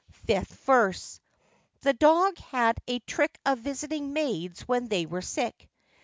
Fifth Verse.—The 'dog' had a 'trick of visiting maids when they were sick.